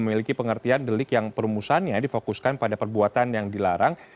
memiliki pengertian delik yang perumusannya difokuskan pada perbuatan yang dilarang